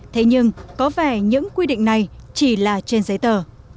thế nhưng có vẻ những quy định này chỉ là trên giấy tờ